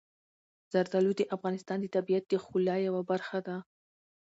زردالو د افغانستان د طبیعت د ښکلا یوه برخه ده.